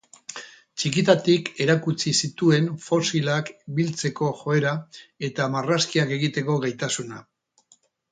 Txikitatik erakutsi zituen fosilak biltzeko joera eta marrazkiak egiteko gaitasuna.